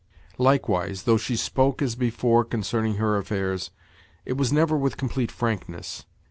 Likewise, though she spoke as before concerning her affairs, it was never with complete frankness.